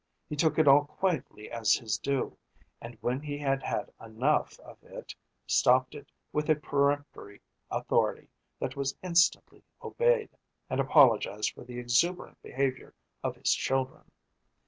He took it all quietly as his due, and when he had had enough of it stopped it with a peremptory authority that was instantly obeyed, and apologised for the exuberant behaviour of his children.